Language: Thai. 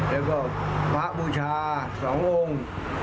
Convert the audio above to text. แล้วก็พระบูชา๒องค์